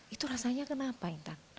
itu rasanya kenapa intan